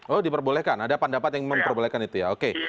oh diperbolehkan ada pendapat yang memperbolehkan itu ya oke